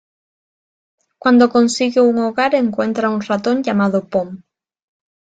Cuando consigue un hogar encuentra un ratón llamado Pom.